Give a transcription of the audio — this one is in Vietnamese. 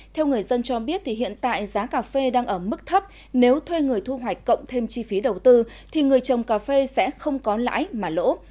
theo người dân cho biết hiện tại giá cà phê đang ở mức thấp nếu thuê người thu hoạch cộng thêm chi phí đầu tư thì người trồng cà phê sẽ không có lãi mà lỗ